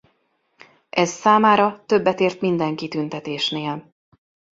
Ez számára többet ért minden kitüntetésnél.